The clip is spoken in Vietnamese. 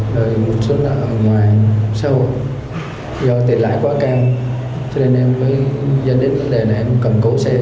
rồi một số là ở ngoài xã hội do tiền lãi quá cao cho nên em mới dẫn đến vấn đề này em cầm cố xe